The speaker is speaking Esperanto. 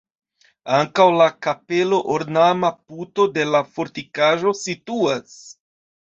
Antaŭ la kapelo ornama puto de la fortikaĵo situas.